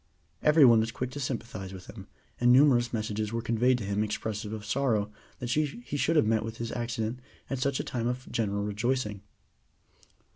Every one was quick to sympathize with him, and numerous messages were conveyed to him expressive of sorrow that he should have met with his accident at such a time of general rejoicing.